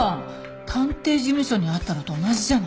探偵事務所にあったのと同じじゃない。